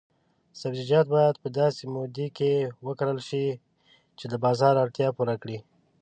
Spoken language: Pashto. سبزیجات باید په داسې موده کې وکرل شي چې د بازار اړتیا پوره کړي.